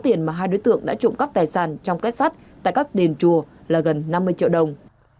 tổng số tiền mà hai đối tượng đã trụ cắp tài sản trong kết sát tại các đền chùa là gần năm mươi triệu đồng